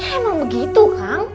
emang begitu kang